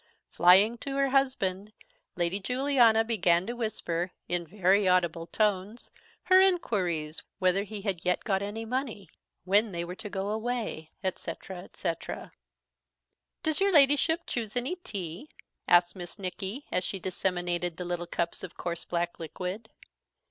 Flying to her husband, Lady Juliana began to whisper, in very audible tones, her inquires, whether he had yet got any money when they were to go away, etc. etc. "Does your Ladyship choose any tea?" asked Miss Nicky, as she disseminated the little cups of coarse black liquid.